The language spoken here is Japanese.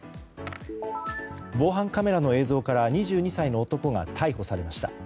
防犯カメラの映像から２２歳の男が逮捕されました。